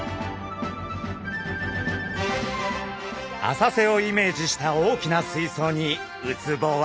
浅瀬をイメージした大きな水槽にウツボはいます。